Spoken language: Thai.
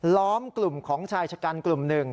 ล้อมกลุ่มของชายชะกันกลุ่มหนึ่ง